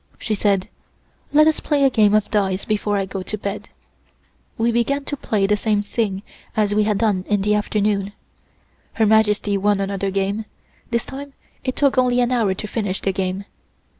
She said: "Let us play a game of dice before I go to bed." We began to play the same thing as we had done in the afternoon. Her Majesty won another game, this time it took only an hour to finish the game.